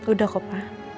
udah kok pak